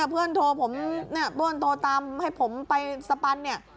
เพื่อนโทรตามให้ผมไปสปันเนี่ย